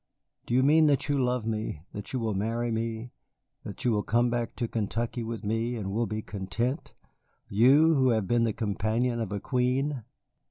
"Do you mean that you love me, that you will marry me, that you will come back to Kentucky with me and will be content, you, who have been the companion of a Queen?"